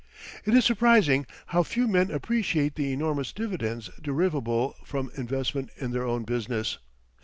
It is surprising how few men appreciate the enormous dividends derivable from investment in their own business.